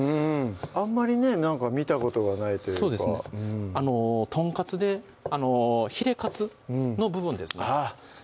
あんまりねなんか見たことがないというかトンカツでヒレカツの部分ですねあっ